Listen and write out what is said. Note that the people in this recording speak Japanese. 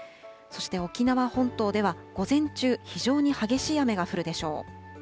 そして沖縄本島では午前中、非常に激しい雨が降るでしょう。